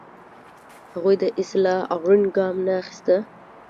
هغوی د اصلاح اړین ګام نه اخیسته.